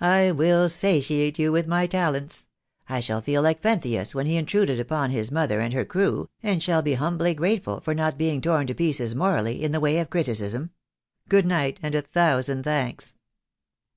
"I will satiate you with my talents; I shall feel like Pentheus when he intruded upon his mother and her crew, and shall be humbly grateful for not being torn to pieces morally, in the way of criticism. Good night, and a thousand thanks."